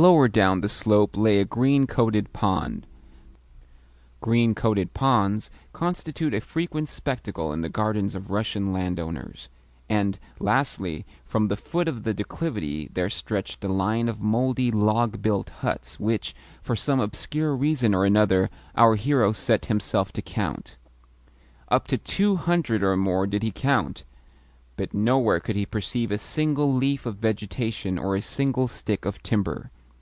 Lower down the slope lay a green coated pond green coated ponds constitute a frequent spectacle in the gardens of Russian landowners; and, lastly, from the foot of the declivity there stretched a line of mouldy, log built huts which, for some obscure reason or another, our hero set himself to count. Up to two hundred or more did he count, but nowhere could he perceive a single leaf of vegetation or a single stick of timber.